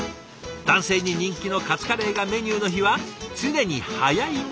男性に人気のカツカレーがメニューの日は「常に早い者勝ち！」